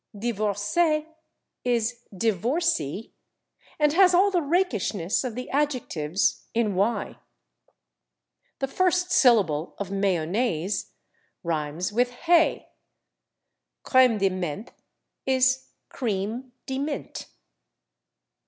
/Divorcée/ is /divorcey/, and has all the rakishness of the adjectives in / y/. The first syllable of /mayonnaise/ rhymes with /hay/. /Crème de menthe/ is /cream de mint